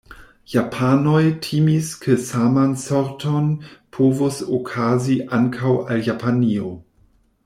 Japanoj timis ke saman sorton povus okazi ankaŭ al Japanio.